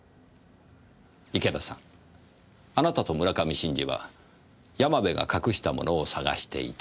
池田さんあなたと村上真治は山部が隠したものを捜していた。